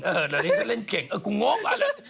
เออแต่นี่ฉันเล่นเก่งเออกูโง่กว่าเลย